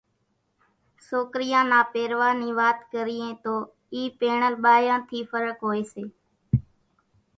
سوڪريان نا پيرواۿ نِي وات ڪريئين تو اِي پيڻل ٻايان ٿِي ڦرق هوئيَ سي۔